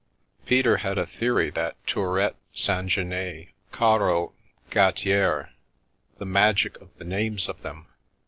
Peter had a theory that Tourettes, Saint Jeannet, Car ros, Gattieres (the magic of the names of them!)